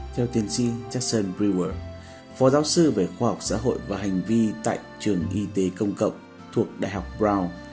theo tiến sĩ chersen freewer phó giáo sư về khoa học xã hội và hành vi tại trường y tế công cộng thuộc đại học brown